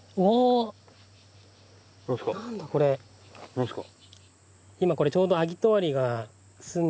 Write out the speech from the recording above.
何すか？